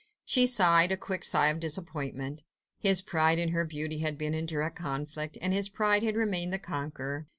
She sighed, a quick sigh of disappointment. His pride and her beauty had been in direct conflict, and his pride had remained the conqueror.